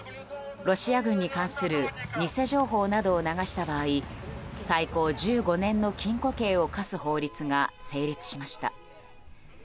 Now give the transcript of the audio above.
ロシア軍に関する偽情報などを流した場合最高１５年の禁錮刑を科す法律が成立しました。